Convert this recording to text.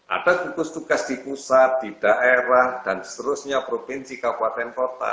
ada gugus tugas di pusat di daerah dan seterusnya provinsi kabupaten kota